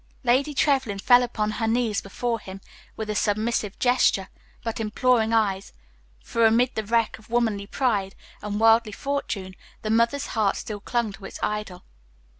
Lady Trevlyn fell upon her knees before him, with a submissive gesture, but imploring eyes, for, amid the wreck of womanly pride and worldly fortune, the mother's heart still clung to its idol.